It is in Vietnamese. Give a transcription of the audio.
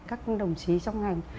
các đồng chí trong ngành